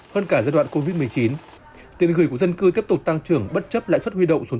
hơn cả giai đoạn covid một mươi chín tiền gửi của dân cư tiếp tục tăng trưởng bất chấp lãi suất huy động xuống